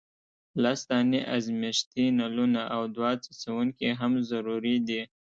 لس دانې ازمیښتي نلونه او دوه څڅونکي هم ضروري دي.